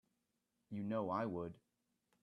You know I would.